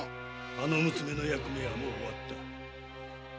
あの娘の役目はもう終わった。